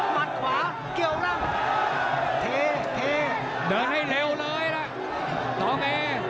มัดขวาเกี่ยวร่าง